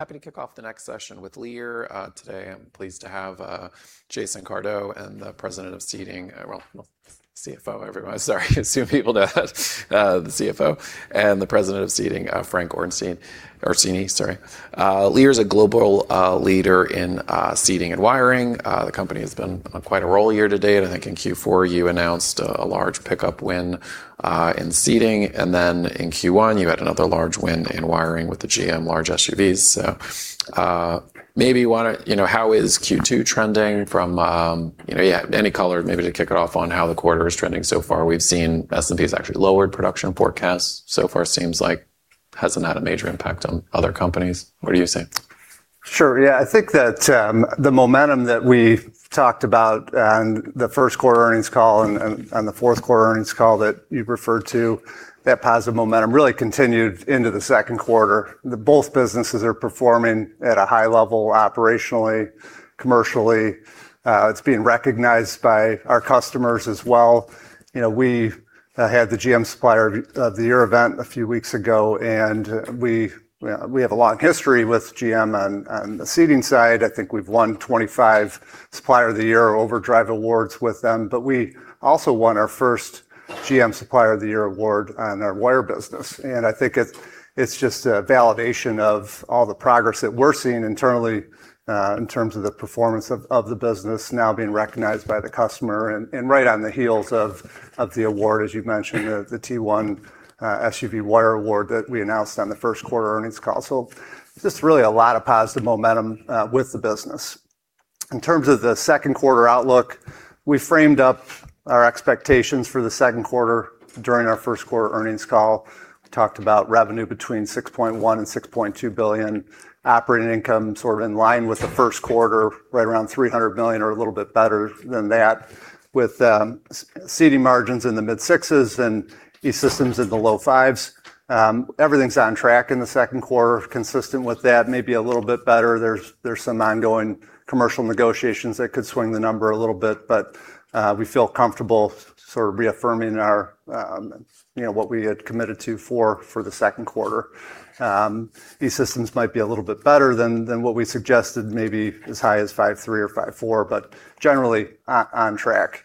Happy to kick off the next session with Lear. Today, I'm pleased to have Jason Cardew, the CFO, and the president of seating, Frank Orsini. Lear is a global leader in seating and wiring. The company has been on quite a roll year-to-date. I think in Q4 you announced a large pickup win in seating, then in Q1 you had another large win in wiring with the GM large SUVs. How is Q2 trending? Any color maybe to kick it off on how the quarter is trending so far. We've seen S&P has actually lowered production forecasts. So far, seems like hasn't had a major impact on other companies. What do you say? Sure. Yeah. I think that the momentum that we talked about on the first quarter earnings call and on the fourth quarter earnings call that you referred to, that positive momentum really continued into the second quarter. Both businesses are performing at a high level operationally, commercially. It's being recognized by our customers as well. We had the GM Supplier of the Year event a few weeks ago, and we have a long history with GM on the seating side. I think we've won 25 Supplier of the Year Overdrive Awards with them, but we also won our first GM Supplier of the Year award on our wire business. I think it's just a validation of all the progress that we're seeing internally, in terms of the performance of the business now being recognized by the customer and right on the heels of the award, as you mentioned, the T1 SUV wire award that we announced on the first quarter earnings call. Just really a lot of positive momentum with the business. In terms of the second quarter outlook, we framed up our expectations for the second quarter during our first quarter earnings call, talked about revenue between $6.1 billion-$6.2 billion, operating income sort of in line with the first quarter, right around $300 million or a little bit better than that, with seating margins in the mid-sixes and E-Systems in the low fives. Everything's on track in the second quarter, consistent with that, maybe a little bit better. There's some ongoing commercial negotiations that could swing the number a little bit, but we feel comfortable sort of reaffirming what we had committed to for the second quarter. E-Systems might be a little bit better than what we suggested, maybe as high as 5.3% or 5.4%, but generally, on track.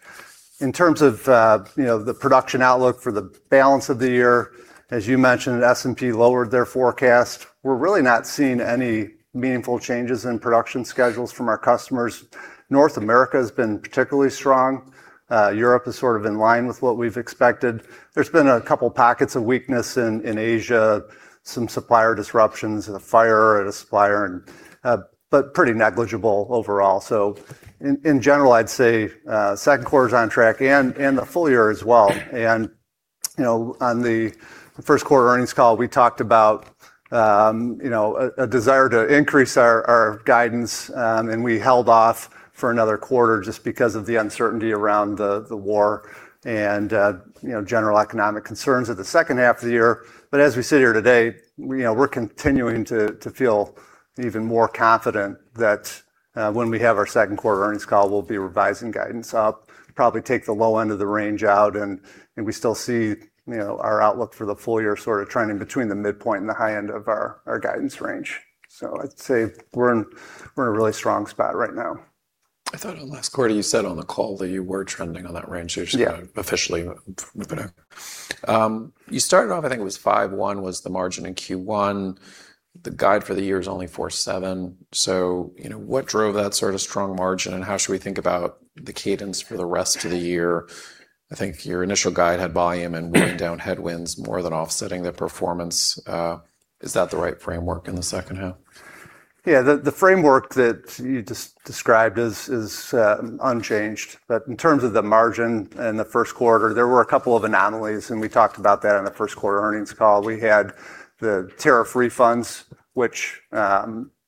In terms of the production outlook for the balance of the year, as you mentioned, S&P lowered their forecast. We're really not seeing any meaningful changes in production schedules from our customers. North America has been particularly strong. Europe is sort of in line with what we've expected. There's been a couple pockets of weakness in Asia, some supplier disruptions and a fire at a supplier, but pretty negligible overall. In general, I'd say second quarter is on track and the full year as well. On the first quarter earnings call, we talked about a desire to increase our guidance, and we held off for another quarter just because of the uncertainty around the war and general economic concerns of the second half of the year. As we sit here today, we're continuing to feel even more confident that when we have our second quarter earnings call, we'll be revising guidance up, probably take the low end of the range out, and we still see our outlook for the full year sort of trending between the midpoint and the high end of our guidance range. I'd say we're in a really strong spot right now. I thought last quarter you said on the call that you were trending on that range. Yeah. You're just kind of officially moving. You started off, I think it was 5.1 was the margin in Q1. The guide for the year is only 4.7. What drove that sort of strong margin, and how should we think about the cadence for the rest of the year? I think your initial guide had volume and wind down headwinds more than offsetting the performance. Is that the right framework in the second half? Yeah, the framework that you just described is unchanged. In terms of the margin in the first quarter, there were a couple of anomalies, and we talked about that on the first quarter earnings call. We had the tariff refunds, which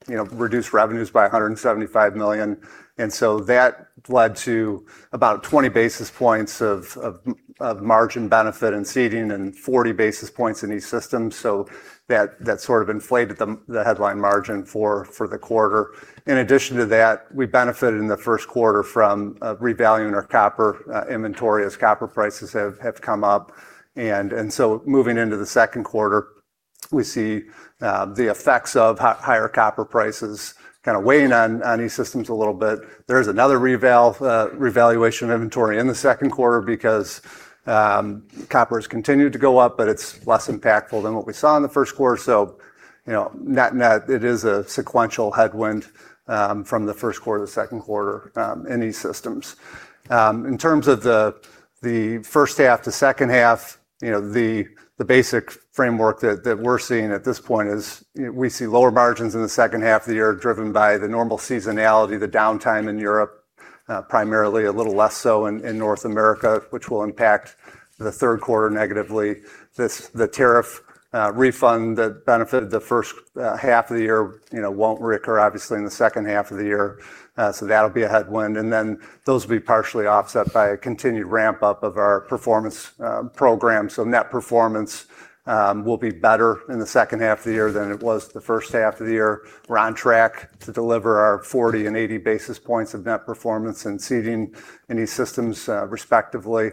reduced revenues by $175 million. That led to about 20 basis points of margin benefit in Seating and 40 basis points in E-Systems. That sort of inflated the headline margin for the quarter. In addition to that, we benefited in the first quarter from revaluing our copper inventory as copper prices have come up. Moving into the second quarter, we see the effects of higher copper prices kind of weighing on E-Systems a little bit. There's another revaluation of inventory in the second quarter because copper has continued to go up, but it's less impactful than what we saw in the first quarter. Net, it is a sequential headwind from the first quarter to the second quarter in E-Systems. In terms of the first half to second half, the basic framework that we're seeing at this point is we see lower margins in the second half of the year driven by the normal seasonality, the downtime in Europe, primarily a little less so in North America, which will impact the third quarter negatively. The tariff refund that benefited the first half of the year won't reoccur, obviously, in the second half of the year. That'll be a headwind. Those will be partially offset by a continued ramp-up of our performance program. Net performance will be better in the second half of the year than it was the first half of the year. We're on track to deliver our 40 and 80 basis points of net performance in seating and E-Systems, respectively.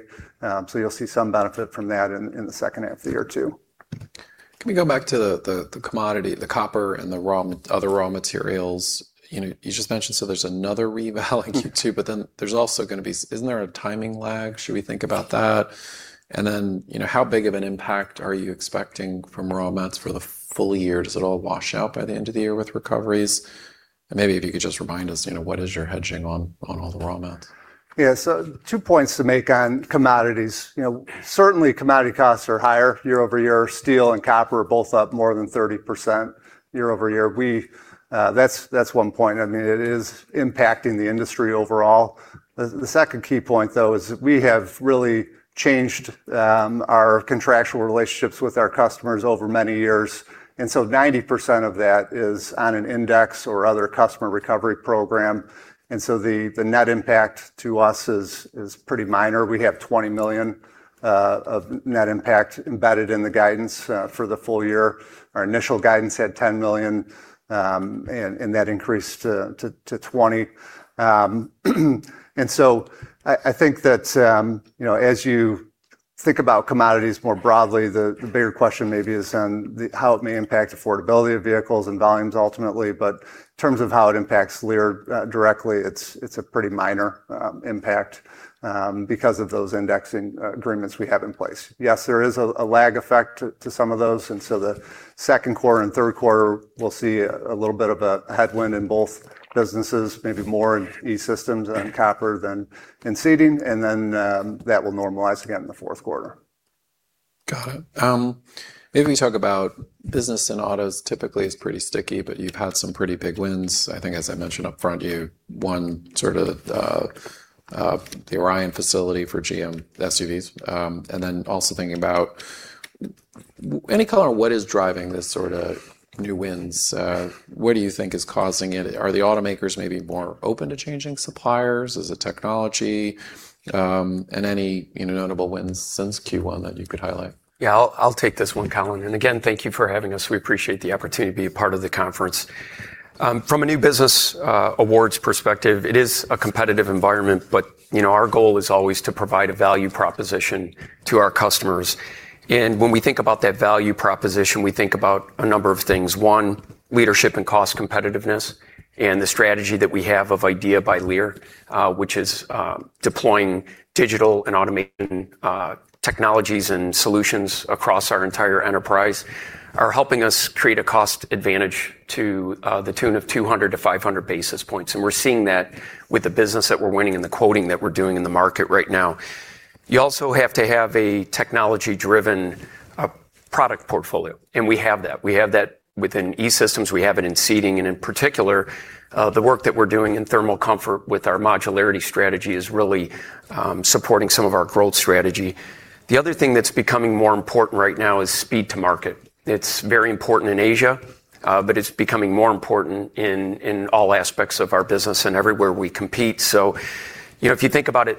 You'll see some benefit from that in the second half of the year, too. Can we go back to the commodity, the copper, and the other raw materials? You just mentioned, there's another reval in Q2, isn't there a timing lag? Should we think about that? How big of an impact are you expecting from raw mats for the full year? Does it all wash out by the end of the year with recoveries? Maybe if you could just remind us, what is your hedging on all the raw mats? Yeah. Two points to make on commodities. Certainly commodity costs are higher year-over-year. Steel and copper are both up more than 30% year-over-year. That's one point. It is impacting the industry overall. The second key point, though, is that we have really changed our contractual relationships with our customers over many years, 90% of that is on an index or other customer recovery program, the net impact to us is pretty minor. We have $20 million of net impact embedded in the guidance for the full year. Our initial guidance had $10 million, and that increased to $20 million. I think that as you think about commodities more broadly, the bigger question may be is on how it may impact affordability of vehicles and volumes ultimately. In terms of how it impacts Lear directly, it's a pretty minor impact because of those indexing agreements we have in place. Yes, there is a lag effect to some of those, and so the second quarter and third quarter will see a little bit of a headwind in both businesses, maybe more in E-Systems and copper than in seating, and then that will normalize again in the fourth quarter. Got it. Maybe talk about business in autos typically is pretty sticky, but you've had some pretty big wins, I think as I mentioned up front. You won the Orion facility for GM SUVs. Also thinking about any color on what is driving this sort of new wins. What do you think is causing it? Are the automakers maybe more open to changing suppliers? Is it technology? Any notable wins since Q1 that you could highlight? Yeah, I'll take this one, Colin. Again, thank you for having us. We appreciate the opportunity to be a part of the conference. From a new business awards perspective, it is a competitive environment, our goal is always to provide a value proposition to our customers. When we think about that value proposition, we think about a number of things. One, leadership and cost competitiveness and the strategy that we have of IDEA by Lear, which is deploying digital and automated technologies and solutions across our entire enterprise, are helping us create a cost advantage to the tune of 200-500 basis points, and we're seeing that with the business that we're winning and the quoting that we're doing in the market right now. You also have to have a technology-driven product portfolio, and we have that. We have that within E-Systems, we have it in seating, and in particular, the work that we're doing in thermal comfort with our modularity strategy is really supporting some of our growth strategy. The other thing that's becoming more important right now is speed to market. It's very important in Asia, it's becoming more important in all aspects of our business and everywhere we compete. If you think about it,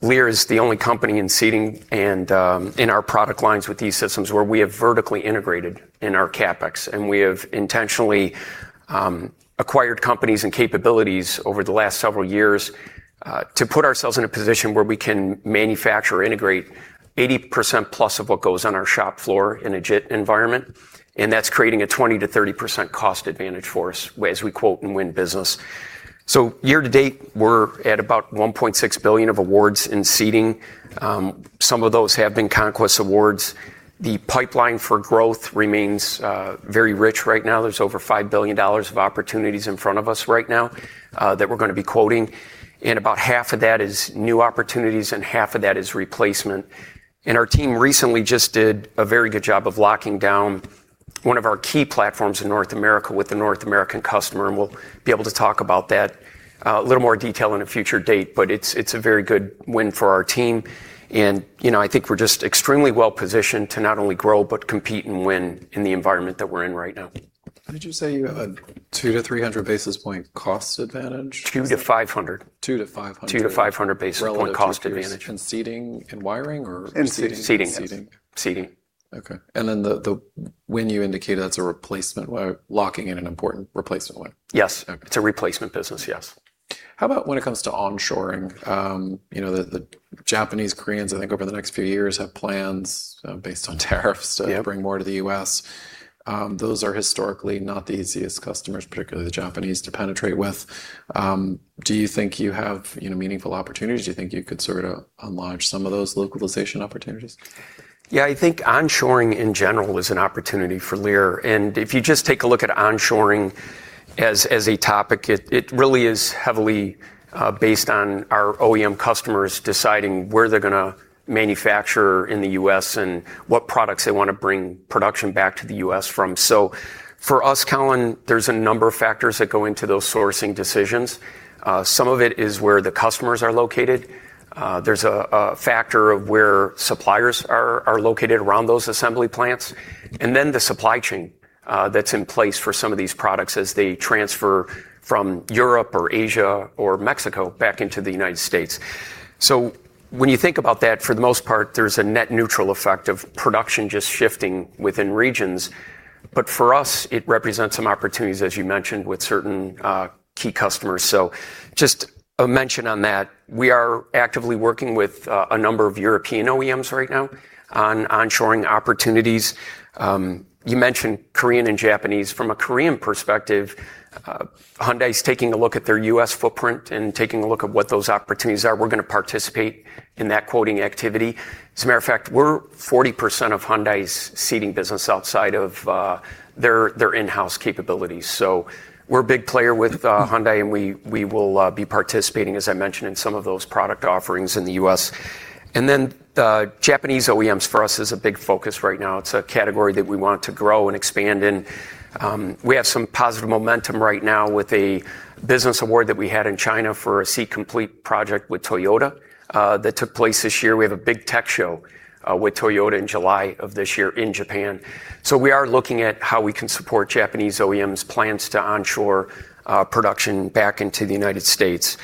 Lear is the only company in seating and in our product lines with E-Systems where we have vertically integrated in our CapEx, and we have intentionally acquired companies and capabilities over the last several years to put ourselves in a position where we can manufacture or integrate 80%+ of what goes on our shop floor in a JIT environment, and that's creating a 20%-30% cost advantage for us as we quote and win business. Year to date, we're at about $1.6 billion of awards in seating. Some of those have been conquest awards. The pipeline for growth remains very rich right now. There's over $5 billion of opportunities in front of us right now that we're going to be quoting, and about half of that is new opportunities, and half of that is replacement. Our team recently just did a very good job of locking down one of our key platforms in North America with a North American customer, and we'll be able to talk about that in a little more detail on a future date. It's a very good win for our team, and I think we're just extremely well-positioned to not only grow but compete and win in the environment that we're in right now. How did you say you had 200-300 basis point costs advantage? 200-500. 200-500. 200-500 basis points cost advantage. Relative to peers in seating and wiring, In seating. Seating. Seating. Seating. Okay. The win you indicated, that's a replacement, locking in an important replacement win? Yes. Okay. It's a replacement business, yes. How about when it comes to onshoring? The Japanese, Koreans, I think over the next few years have plans based on tariffs. Yeah To bring more to the U.S. Those are historically not the easiest customers, particularly the Japanese, to penetrate with. Do you think you have meaningful opportunities? Do you think you could sort of unlock some of those localization opportunities? Yeah, I think onshoring in general is an opportunity for Lear. If you just take a look at onshoring as a topic, it really is heavily based on our OEM customers deciding where they're going to manufacture in the U.S. and what products they want to bring production back to the U.S. from. For us, Colin, there's a number of factors that go into those sourcing decisions. Some of it is where the customers are located. There's a factor of where suppliers are located around those assembly plants, and then the supply chain that's in place for some of these products as they transfer from Europe or Asia or Mexico back into the United States. When you think about that, for the most part, there's a net neutral effect of production just shifting within regions. But for us, it represents some opportunities, as you mentioned, with certain key customers. Just a mention on that, we are actively working with a number of European OEMs right now on onshoring opportunities. You mentioned Korean and Japanese. From a Korean perspective, Hyundai's taking a look at their U.S. footprint and taking a look at what those opportunities are. We're going to participate in that quoting activity. As a matter of fact, we're 40% of Hyundai's seating business outside of their in-house capabilities. We're a big player with Hyundai, and we will be participating, as I mentioned, in some of those product offerings in the U.S. The Japanese OEMs for us is a big focus right now. It's a category that we want to grow and expand in. We have some positive momentum right now with a business award that we had in China for a seat complete project with Toyota that took place this year. We have a big tech show with Toyota in July of this year in Japan. We are looking at how we can support Japanese OEMs' plans to onshore production back into the United States.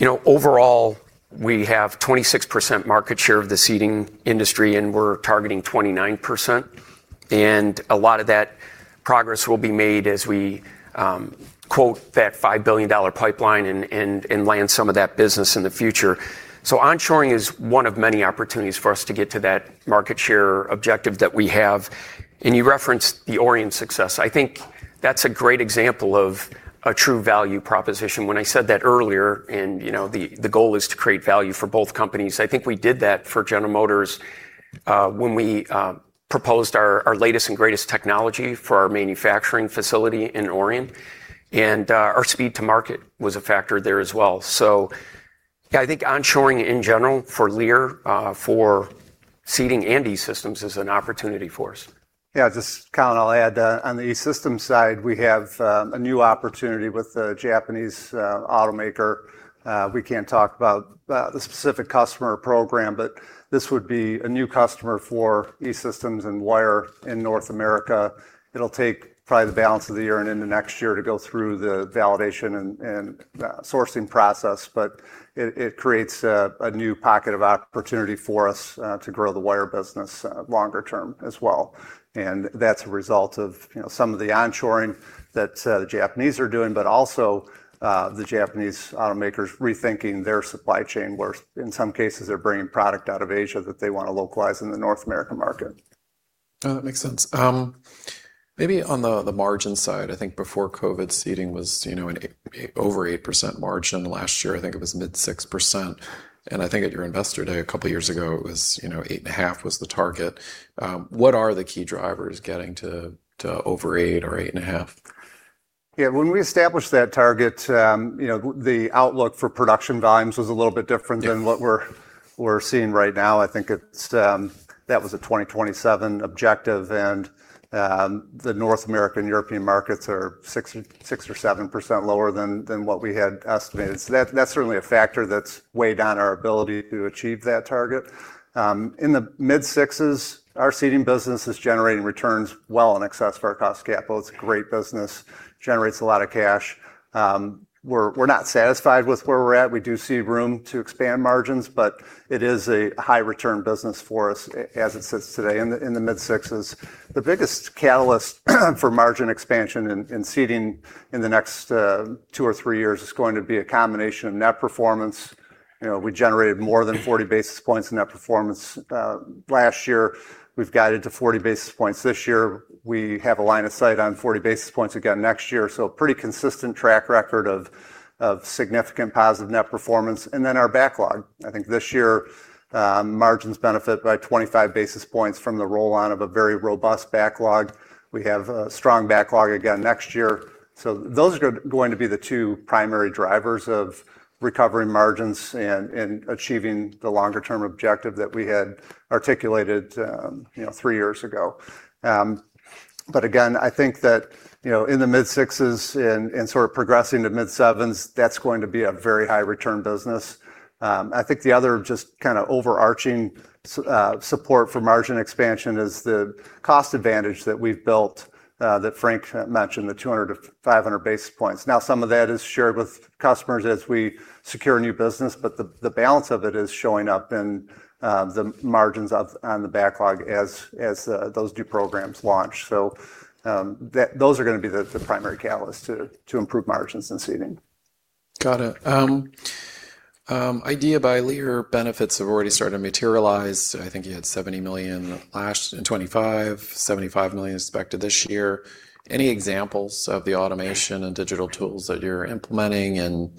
Overall, we have 26% market share of the seating industry, and we're targeting 29%, and a lot of that progress will be made as we quote that $5 billion pipeline and land some of that business in the future. Onshoring is one of many opportunities for us to get to that market share objective that we have. You referenced the Orion success. I think that's a great example of a true value proposition. When I said that earlier, and the goal is to create value for both companies, I think we did that for General Motors when we proposed our latest and greatest technology for our manufacturing facility in Orion, and our speed to market was a factor there as well. I think onshoring in general for Lear, for seating and E-Systems is an opportunity for us. Yeah, just, Colin, I'll add, on the E-Systems side, we have a new opportunity with a Japanese automaker. We can't talk about the specific customer program, but this would be a new customer for E-Systems and wire in North America. It'll take probably the balance of the year and into next year to go through the validation and sourcing process. It creates a new pocket of opportunity for us to grow the wire business longer term as well. That's a result of some of the onshoring that the Japanese are doing, but also the Japanese automakers rethinking their supply chain, where in some cases, they're bringing product out of Asia that they want to localize in the North American market. No, that makes sense. Maybe on the margin side, I think before COVID, seating was over 8% margin last year. I think it was mid 6%, and I think at your investor day a couple of years ago, it was 8.5% was the target. What are the key drivers getting to over 8% or 8.5%? Yeah. When we established that target, the outlook for production volumes was a little bit different than what we're seeing right now. I think that was a 2027 objective, and the North American, European markets are 6% or 7% lower than what we had estimated. That's certainly a factor that's weighed on our ability to achieve that target. In the mid sixs, our seating business is generating returns well in excess of our cost capital. It's a great business, generates a lot of cash. We're not satisfied with where we're at. We do see room to expand margins, but it is a high return business for us as it sits today in the mid sixs. The biggest catalyst for margin expansion in seating in the next two or three years is going to be a combination of net performance. We generated more than 40 basis points in net performance last year. We've guided to 40 basis points this year. We have a line of sight on 40 basis points again next year. Pretty consistent track record of significant positive net performance. Then our backlog. I think this year, margins benefit by 25 basis points from the roll-on of a very robust backlog. We have a strong backlog again next year. Those are going to be the two primary drivers of recovering margins and achieving the longer-term objective that we had articulated three years ago. Again, I think that in the mid 6s and sort of progressing to mid 7s, that's going to be a very high return business. I think the other just kind of overarching support for margin expansion is the cost advantage that we've built, that Frank mentioned, the 200-500 basis points. Some of that is shared with customers as we secure new business, the balance of it is showing up in the margins on the backlog as those new programs launch. Those are going to be the primary catalyst to improve margins in seating. Got it. IDEA by Lear benefits have already started to materialize. I think you had $70 million last in 2025, $75 million expected this year. Any examples of the automation and digital tools that you're implementing and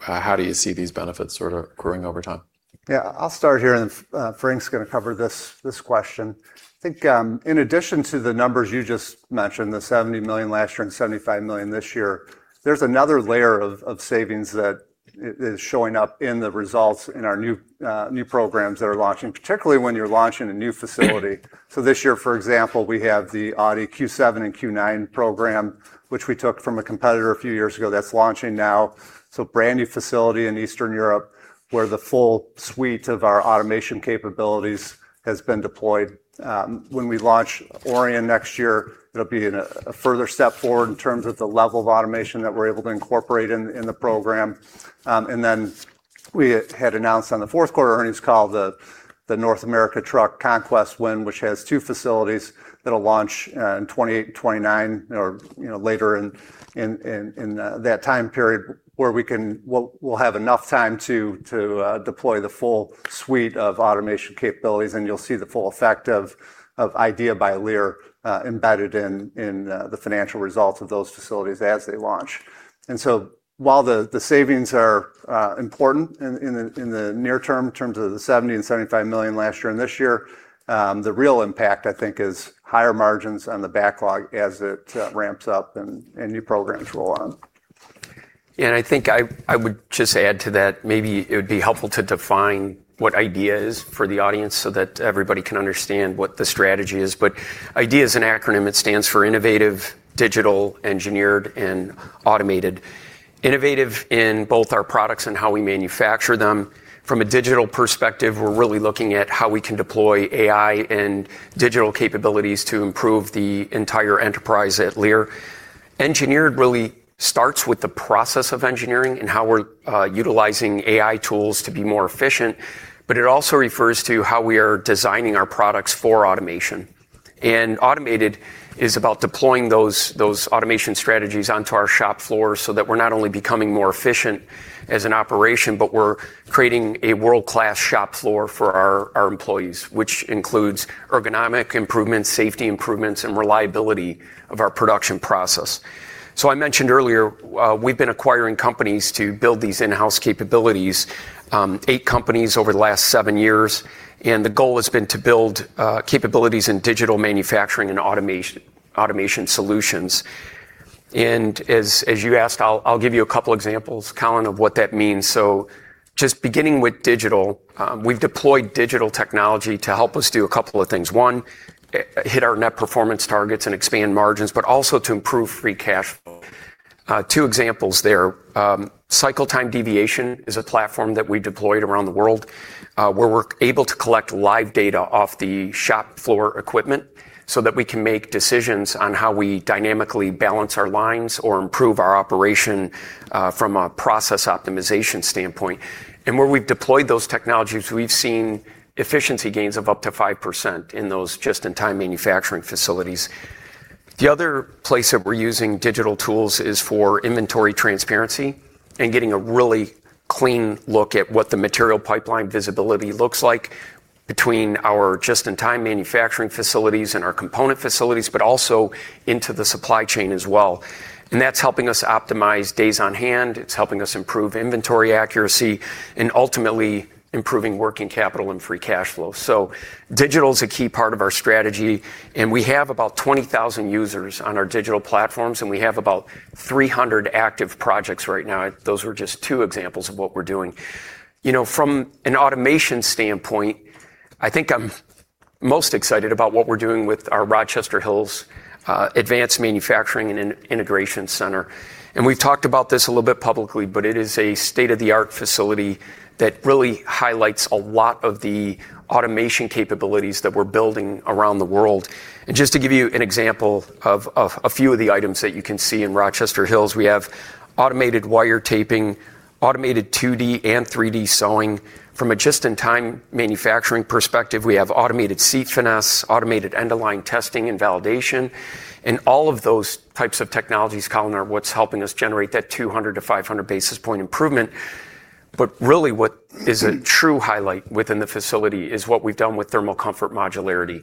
how do you see these benefits sort of growing over time? I'll start here. Frank's going to cover this question. I think in addition to the numbers you just mentioned, the $70 million last year and $75 million this year, there's another layer of savings that is showing up in the results in our new programs that are launching, particularly when you're launching a new facility. This year, for example, we have the Audi Q7 and Q9 program, which we took from a competitor a few years ago, that's launching now. Brand-new facility in Eastern Europe, where the full suite of our automation capabilities has been deployed. When we launch Orion next year, it'll be a further step forward in terms of the level of automation that we're able to incorporate in the program. We had announced on the fourth quarter earnings call the North America truck conquest win, which has two facilities that'll launch in 2028, 2029 or later in that time period where we'll have enough time to deploy the full suite of automation capabilities, and you'll see the full effect of IDEA by Lear embedded in the financial results of those facilities as they launch. While the savings are important in the near term in terms of the $70 million and $75 million last year and this year, the real impact, I think, is higher margins on the backlog as it ramps up and new programs roll on. I think I would just add to that, maybe it would be helpful to define what IDEA is for the audience so that everybody can understand what the strategy is. IDEA is an acronym. It stands for Innovative, Digital, Engineered, and Automated. Innovative in both our products and how we manufacture them. From a digital perspective, we're really looking at how we can deploy AI and digital capabilities to improve the entire enterprise at Lear. Engineered really starts with the process of engineering and how we're utilizing AI tools to be more efficient. It also refers to how we are designing our products for automation. Automated is about deploying those automation strategies onto our shop floors that we're not only becoming more efficient as an operation, but we're creating a world-class shop floor for our employees, which includes ergonomic improvements, safety improvements, and reliability of our production process. I mentioned earlier, we've been acquiring companies to build these in-house capabilities, eight companies over the last seven years. The goal has been to build capabilities in digital manufacturing and automation solutions. As you asked, I'll give you a couple examples, Colin, of what that means. Just beginning with digital, we've deployed digital technology to help us do a couple of things. One, hit our net performance targets and expand margins, but also to improve free cash flow. Two examples there. Cycle time deviation is a platform that we deployed around the world, where we're able to collect live data off the shop floor equipment that we can make decisions on how we dynamically balance our lines or improve our operation from a process optimization standpoint. Where we've deployed those technologies, we've seen efficiency gains of up to 5% in those just-in-time manufacturing facilities. The other place that we're using digital tools is for inventory transparency and getting a really clean look at what the material pipeline visibility looks like between our just-in-time manufacturing facilities and our component facilities, but also into the supply chain as well. That's helping us optimize days on hand, it's helping us improve inventory accuracy, and ultimately improving working capital and free cash flow. Digital is a key part of our strategy, and we have about 20,000 users on our digital platforms, and we have about 300 active projects right now. Those were just two examples of what we're doing. From an automation standpoint, I think I'm most excited about what we're doing with our Rochester Hills Advanced Manufacturing and Integration Center. We've talked about this a little bit publicly, but it is a state-of-the-art facility that really highlights a lot of the automation capabilities that we're building around the world. Just to give you an example of a few of the items that you can see in Rochester Hills, we have automated wire taping, automated 2D and 3D sewing. From a just-in-time manufacturing perspective, we have automated seat finesse, automated end-of-line testing and validation. All of those types of technologies, Colin, are what's helping us generate that 200-500 basis point improvement. Really what is a true highlight within the facility is what we've done with thermal comfort modularity,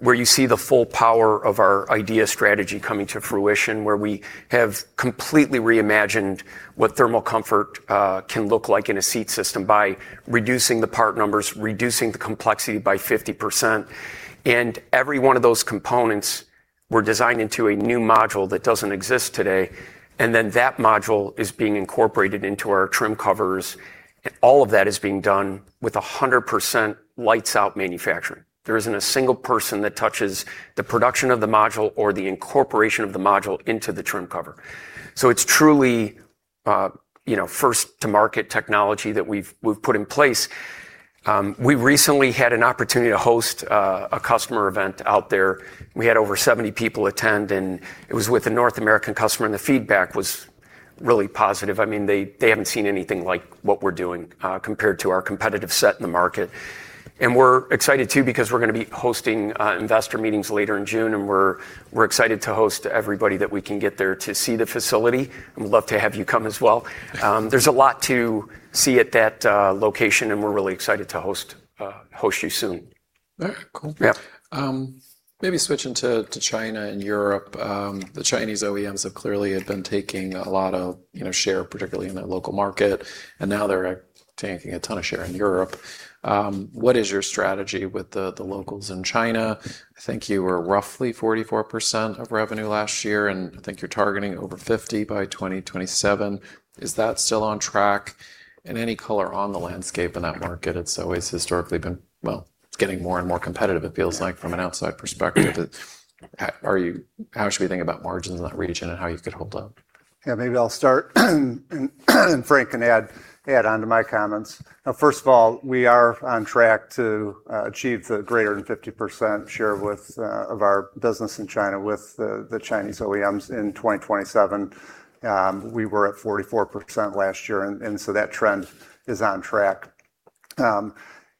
where you see the full power of our IDEA strategy coming to fruition, where we have completely reimagined what thermal comfort can look like in a seat system by reducing the part numbers, reducing the complexity by 50%. Every one of those components were designed into a new module that doesn't exist today, and then that module is being incorporated into our trim covers. All of that is being done with 100% lights-out manufacturing. There isn't a single person that touches the production of the module or the incorporation of the module into the trim cover. It's truly first to market technology that we've put in place. We recently had an opportunity to host a customer event out there. We had over 70 people attend, and it was with a North American customer, and the feedback was really positive. They haven't seen anything like what we're doing compared to our competitive set in the market. We're excited too because we're going to be hosting investor meetings later in June, and we're excited to host everybody that we can get there to see the facility, and we'd love to have you come as well. There's a lot to see at that location, and we're really excited to host you soon. All right, cool. Yeah. Maybe switching to China and Europe. The Chinese OEMs have clearly been taking a lot of share, particularly in their local market, and now they're taking a ton of share in Europe. What is your strategy with the locals in China? I think you were roughly 44% of revenue last year, and I think you're targeting over 50% by 2027. Is that still on track? Any color on the landscape in that market? It's always historically been, well, it's getting more and more competitive, it feels like, from an outside perspective. How should we think about margins in that region and how you could hold up? Yeah, maybe I'll start, and Frank can add onto my comments. First of all, we are on track to achieve the greater than 50% share of our business in China with the Chinese OEMs in 2027. We were at 44% last year, and so that trend is on track.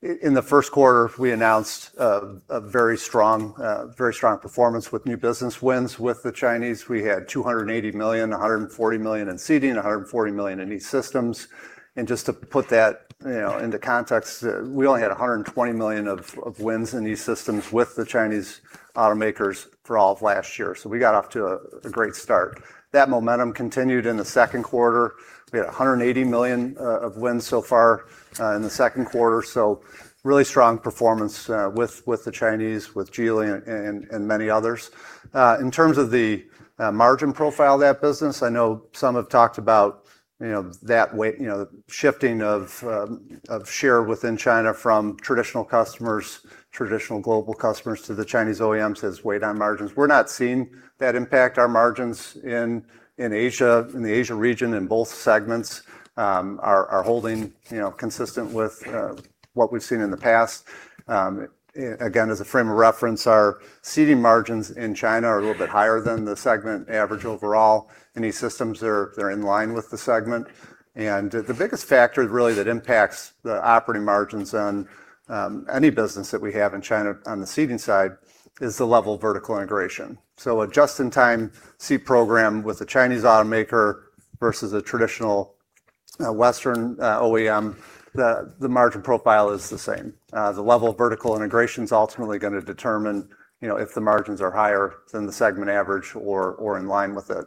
In the first quarter, we announced a very strong performance with new business wins with the Chinese. We had $280 million, $140 million in seating, $140 million in E-Systems. Just to put that into context, we only had $120 million of wins in E-Systems with the Chinese automakers for all of last year. We got off to a great start. That momentum continued in the second quarter. We had $180 million of wins so far in the second quarter, so really strong performance with the Chinese, with Geely, and many others. In terms of the margin profile of that business, I know some have talked about the shifting of share within China from traditional customers, traditional global customers to the Chinese OEMs has weighed on margins. We're not seeing that impact our margins in the Asia region in both segments are holding consistent with what we've seen in the past. Again, as a frame of reference, our seating margins in China are a little bit higher than the segment average overall. In E-Systems, they're in line with the segment. The biggest factor really that impacts the operating margins on any business that we have in China on the seating side is the level of vertical integration. A just-in-time seat program with a Chinese automaker versus a traditional Western OEM, the margin profile is the same. The level of vertical integration is ultimately going to determine if the margins are higher than the segment average or in line with it.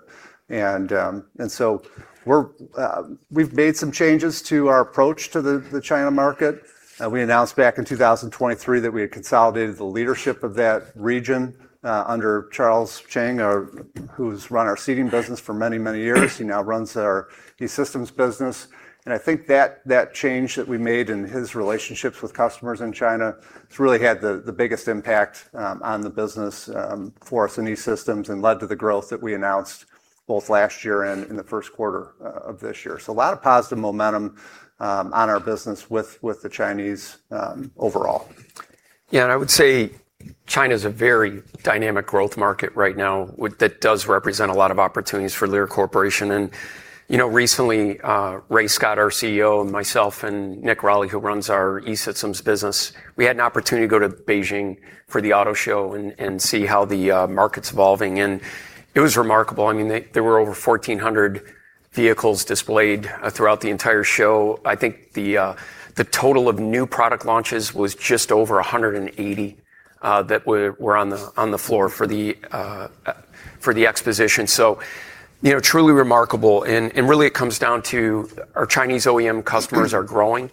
We've made some changes to our approach to the China market. We announced back in 2023 that we had consolidated the leadership of that region under Frank Orsini, who's run our seating business for many, many years. He now runs our E-Systems business. I think that change that we made in his relationships with customers in China, it's really had the biggest impact on the business for us in E-Systems and led to the growth that we announced both last year and in the first quarter of this year. A lot of positive momentum on our business with the Chinese overall. Yeah, I would say China's a very dynamic growth market right now that does represent a lot of opportunities for Lear Corporation. Recently, Ray Scott, our CEO, and myself, and Nick Roelli, who runs our E-Systems business, we had an opportunity to go to Beijing for the auto show and see how the market's evolving, and it was remarkable. There were over 1,400 vehicles displayed throughout the entire show. I think the total of new product launches was just over 180 that were on the floor for the exposition. Truly remarkable, and really it comes down to our Chinese OEM customers are growing,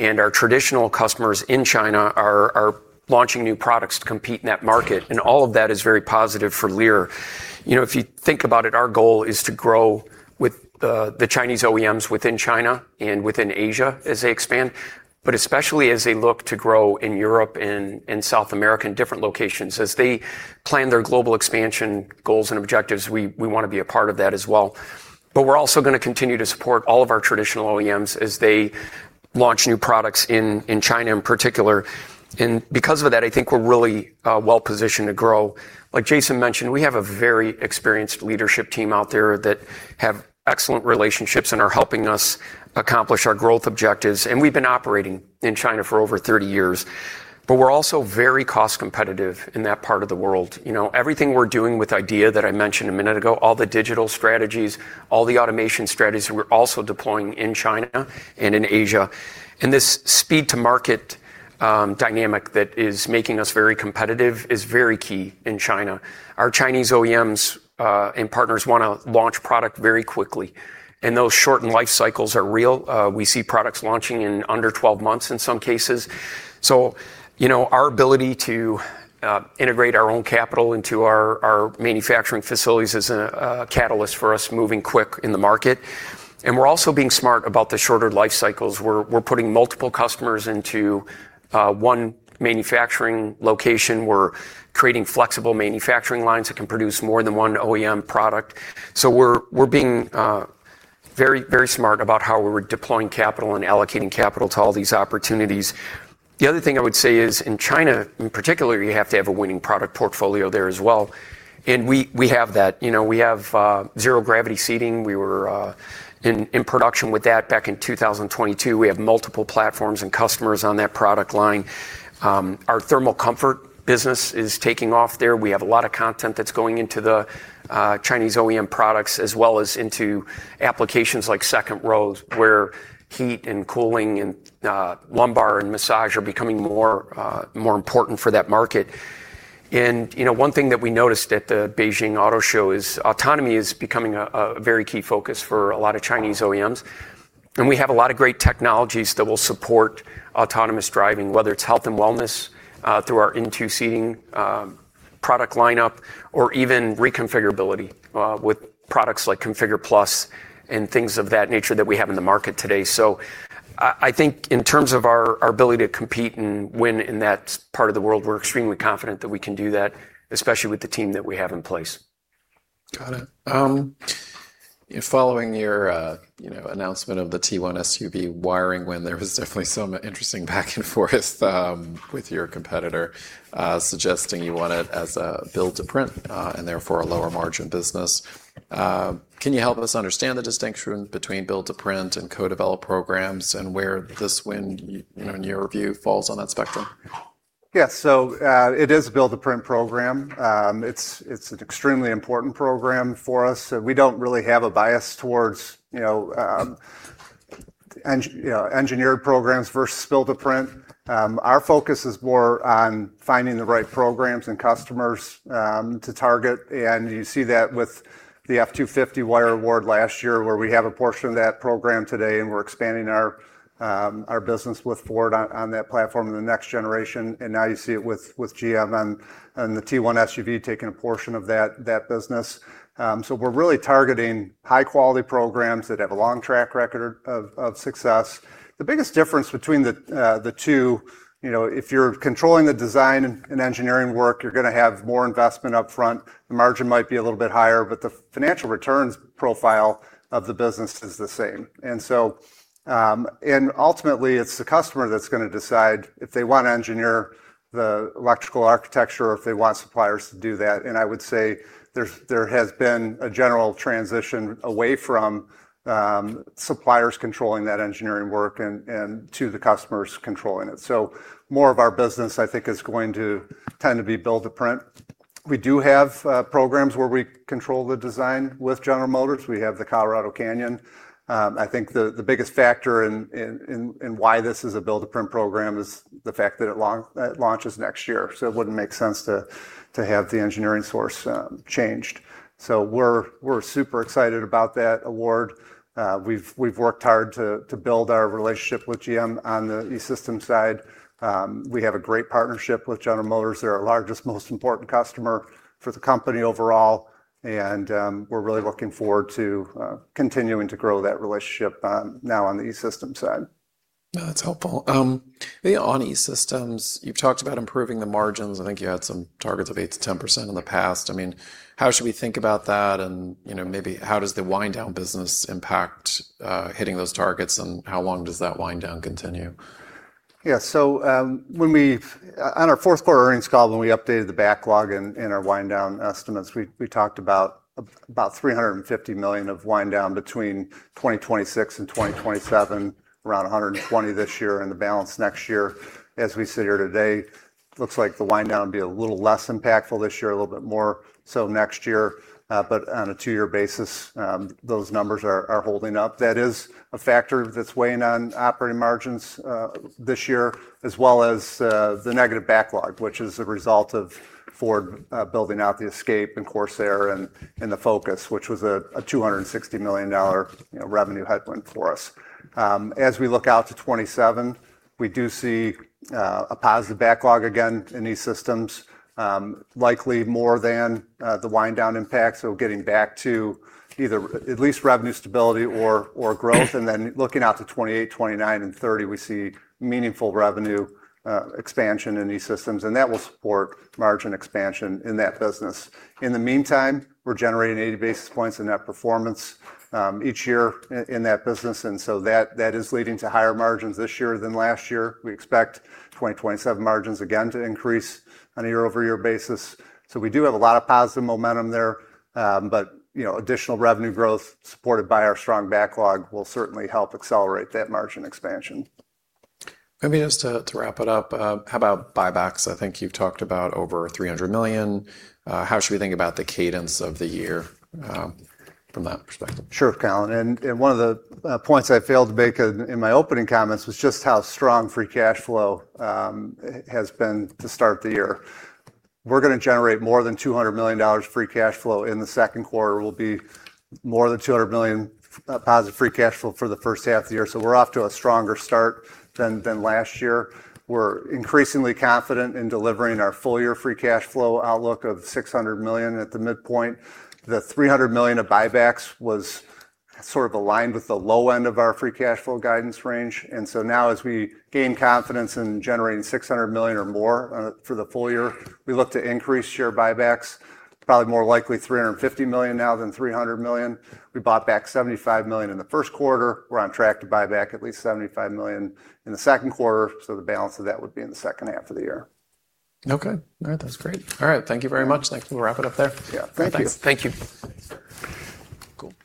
our traditional customers in China are launching new products to compete in that market, and all of that is very positive for Lear. If you think about it, our goal is to grow with the Chinese OEMs within China and within Asia as they expand, but especially as they look to grow in Europe and South America and different locations. As they plan their global expansion goals and objectives, we want to be a part of that as well. We're also going to continue to support all of our traditional OEMs as they launch new products in China in particular. Because of that, I think we're really well-positioned to grow. Like Jason mentioned, we have a very experienced leadership team out there that have excellent relationships and are helping us accomplish our growth objectives. We've been operating in China for over 30 years. We're also very cost competitive in that part of the world. Everything we're doing with IDEA that I mentioned a minute ago, all the digital strategies, all the automation strategies, we're also deploying in China and in Asia. This speed-to-market dynamic that is making us very competitive is very key in China. Our Chinese OEMs and partners want to launch product very quickly, and those shortened life cycles are real. We see products launching in under 12 months in some cases. Our ability to integrate our own capital into our manufacturing facilities is a catalyst for us moving quick in the market. We're also being smart about the shorter life cycles. We're putting multiple customers into one manufacturing location. We're creating flexible manufacturing lines that can produce more than one OEM product. We're being very smart about how we're deploying capital and allocating capital to all these opportunities. The other thing I would say is, in China in particular, you have to have a winning product portfolio there as well. We have that. We have Zero Gravity seating. We were in production with that back in 2022. We have multiple platforms and customers on that product line. Our thermal comfort business is taking off there. We have a lot of content that's going into the Chinese OEM products, as well as into applications like second rows, where heat and cooling and lumbar and massage are becoming more important for that market. One thing that we noticed at the Beijing Auto Show is autonomy is becoming a very key focus for a lot of Chinese OEMs. We have a lot of great technologies that will support autonomous driving, whether it's health and wellness through our INTU seating product lineup or even reconfigurability with products like ConfigurE-Plus and things of that nature that we have in the market today. I think in terms of our ability to compete and win in that part of the world, we're extremely confident that we can do that, especially with the team that we have in place. Got it. Following your announcement of the T1 platform wiring win, there was definitely some interesting back and forth with your competitor suggesting you won it as a build-to-print and therefore a lower margin business. Can you help us understand the distinction between build-to-print and co-develop programs and where this win, in your view, falls on that spectrum? Yes. It is a build-to-print program. It's an extremely important program for us. We don't really have a bias towards engineered programs versus build-to-print. Our focus is more on finding the right programs and customers to target, and you see that with the F-250 wire award last year, where we have a portion of that program today, and we're expanding our business with Ford on that platform in the next generation. Now you see it with GM and the T1 SUV taking a portion of that business. We're really targeting high-quality programs that have a long track record of success. The biggest difference between the two, if you're controlling the design and engineering work, you're going to have more investment upfront. The margin might be a little bit higher, but the financial returns profile of the business is the same. Ultimately, it's the customer that's going to decide if they want to engineer the electrical architecture or if they want suppliers to do that. I would say there has been a general transition away from suppliers controlling that engineering work and to the customers controlling it. More of our business, I think, is going to tend to be build-to-print. We do have programs where we control the design with General Motors. We have the Colorado Canyon. I think the biggest factor in why this is a build-to-print program is the fact that it launches next year. It wouldn't make sense to have the engineering source changed. We're super excited about that award. We've worked hard to build our relationship with GM on the E-Systems side. We have a great partnership with General Motors. They're our largest, most important customer for the company overall, and we're really looking forward to continuing to grow that relationship now on the E-Systems side. That's helpful. Maybe on E-Systems, you've talked about improving the margins. I think you had some targets of 8%-10% in the past. How should we think about that, and maybe how does the wind down business impact hitting those targets, and how long does that wind down continue? On our fourth quarter earnings call, when we updated the backlog and our wind down estimates, we talked about $350 million of wind down between 2026 and 2027, around $120 this year and the balance next year. As we sit here today, looks like the wind down will be a little less impactful this year, a little bit more so next year. On a two-year basis, those numbers are holding up. That is a factor that's weighing on operating margins this year, as well as the negative backlog, which is a result of Ford building out the Escape and Corsair and the Focus, which was a $260 million revenue headwind for us. As we look out to 2027, we do see a positive backlog again in E-Systems, likely more than the wind down impact. Getting back to either at least revenue stability or growth, looking out to 2028, 2029, and 2030, we see meaningful revenue expansion in E-Systems, that will support margin expansion in that business. In the meantime, we're generating 80 basis points in net performance each year in that business, that is leading to higher margins this year than last year. We expect 2027 margins again to increase on a year-over-year basis. We do have a lot of positive momentum there. Additional revenue growth supported by our strong backlog will certainly help accelerate that margin expansion. Maybe just to wrap it up, how about buybacks? I think you've talked about over $300 million. How should we think about the cadence of the year from that perspective? Sure, Colin. One of the points I failed to make in my opening comments was just how strong free cash flow has been to start the year. We're going to generate more than $200 million free cash flow in the second quarter. We'll be more than $200 million positive free cash flow for the first half of the year. We're off to a stronger start than last year. We're increasingly confident in delivering our full-year free cash flow outlook of $600 million at the midpoint. The $300 million of buybacks was sort of aligned with the low end of our free cash flow guidance range. Now as we gain confidence in generating $600 million or more for the full year, we look to increase share buybacks, probably more likely $350 million now than $300 million. We bought back $75 million in the first quarter. We're on track to buy back at least $75 million in the second quarter. The balance of that would be in the second half of the year. Okay. All right. That's great. All right. Thank you very much. Think we'll wrap it up there. Yeah. Thank you. Thanks. Thank you. Cool.